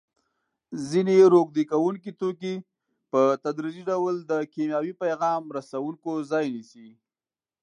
ځینې روږدې کوونکي توکي په تدریجي ډول د کیمیاوي پیغام رسوونکو ځای نیسي.